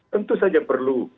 tentu saja perlu